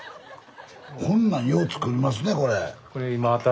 こんなんよう造りますねこれ。